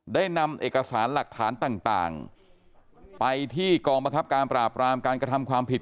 ได้นำเอกสารหลักฐานต่างไปที่กองบังคับการปราบรามการกระทำความผิด